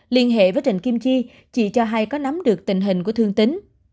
liên hệ với trịnh kim chi chỉ cho hay có nắm được tình hình của thương tính